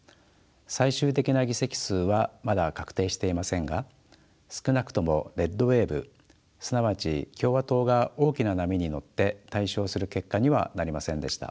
最終的な議席数はまだ確定していませんが少なくとも「レッド・ウェーブ」すなわち共和党が大きな波に乗って大勝する結果にはなりませんでした。